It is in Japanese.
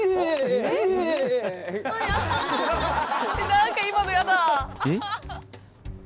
何か今のやだ。